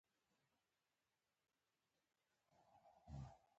زموږ ګاونډي یهودان وتښتېدل خو د جوزف کورنۍ پاتې شوه